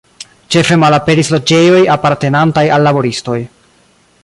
Ĉefe malaperis loĝejoj apartenantaj al laboristoj.